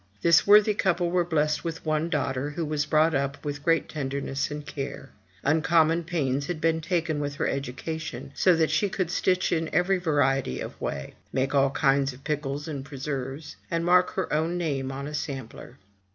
This worthy couple were blessed with one daughter, who was brought up with great tenderness and care; uncommon pains had been taken with her education, so that she could stitch in every variety of way; make all kinds of pickles and preserves, and mark her own name on a sampler.